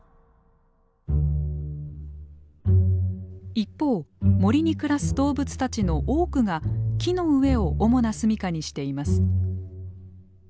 一方森に暮らす動物たちの多くが木の上を主な住みかにしています。